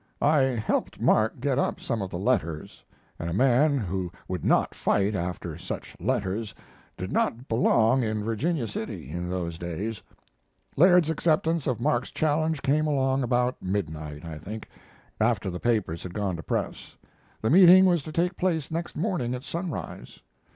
I helped Mark get up some of the letters, and a man who would not fight after such letters did not belong in Virginia City in those days. Laird's acceptance of Mark's challenge came along about midnight, I think, after the papers had gone to press. The meeting was to take place next morning at sunrise.